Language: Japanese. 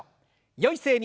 よい姿勢に。